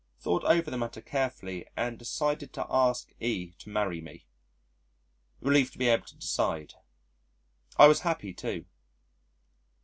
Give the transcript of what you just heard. Thought over the matter carefully and decided to ask E to marry me. Relief to be able to decide. I was happy too.